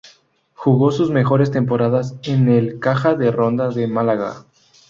Jugó sus mejores temporadas en el Caja de Ronda de Málaga.